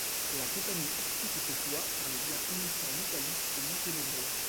La compagnie explique ce choix par les liens unissant l'Italie au Monténégro.